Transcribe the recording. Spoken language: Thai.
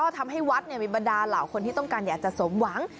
ทำให้วัดมีบรรดาเหล่าคนที่ต้องการอยากจะสมหวัง